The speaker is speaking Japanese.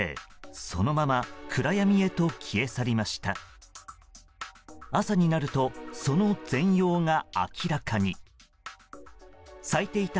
そのまま暗闇へと消え去りました。